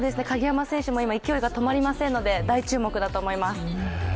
鍵山選手も今、勢いが止まりませんので、大注目だと思います。